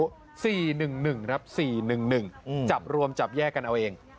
๔๑๑ครับ๔๑๑จับรวมจับแยกกันเอาเอง